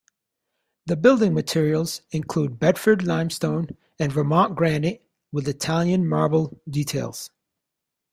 The building materials include Bedford Limestone and Vermont granite with Italian marble details.